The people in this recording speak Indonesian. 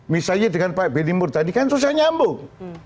misalnya dengan pak benimur tadi kan susah nyambung